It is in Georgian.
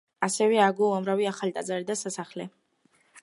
ასევე ააგო უამრავი ახალი ტაძარი და სასახლე.